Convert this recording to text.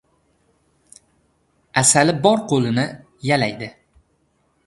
• Asali bor qo‘lini yalaydi.